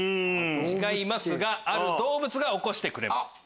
違いますがある動物が起こしてくれます。